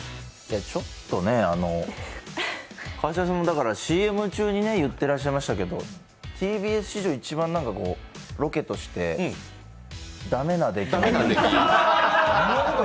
ちょっとね、あの川島さんもだからＣＭ中に言ってましたけどＴＢＳ史上一番ロケとして駄目なでき。